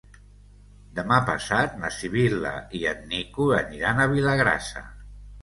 Demà passat na Sibil·la i en Nico aniran a Vilagrassa.